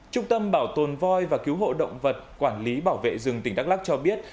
trung tâm bảo tồn voi và cứu hộ động vật quản lý bảo vệ rừng tỉnh đắk lắc cho biết